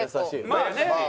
まあね！